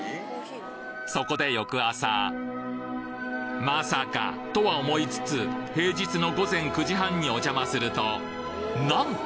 そこでまさかとは思いつつ平日の午前９時半にお邪魔するとなんと！